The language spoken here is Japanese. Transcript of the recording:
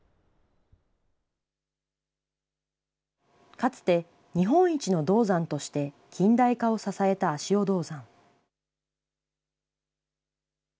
かつて、日本一の銅山として、近代化を支えた足尾銅山。